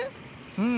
うん。